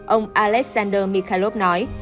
ông alexander mikhailov nói